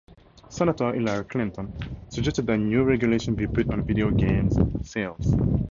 Senator Hillary Clinton suggested that new regulations be put on video games sales.